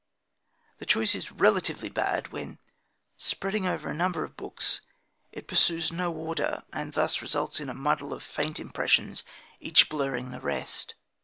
The choice is relatively bad when, spreading over a number of books, it pursues no order, and thus results in a muddle of faint impressions each blurring the rest.